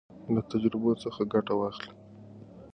له تجربو څخه ګټه واخلئ.